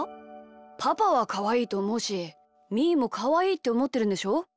パパはかわいいとおもうしみーもかわいいっておもってるんでしょ？